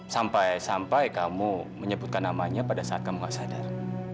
sampai sampai kamu menyebutkan namanya pada saat kamu gak sadar